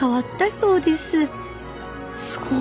すごい。